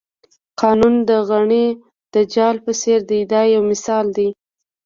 قانون د غڼې د جال په څېر دی دا یو مثال دی.